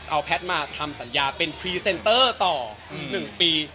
เอาแพทย์มาทำสัญญาเป็นพรีเซนเตอร์ต่อ๑ปี